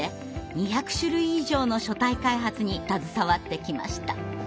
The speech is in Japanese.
２００種類以上の書体開発に携わってきました。